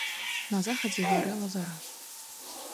На захадзе гарэла зара.